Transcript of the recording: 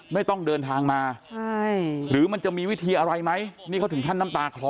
ไม่ต้องเดินทางมาใช่หรือมันจะมีวิธีอะไรไหมนี่เขาถึงขั้นน้ำตาคลอ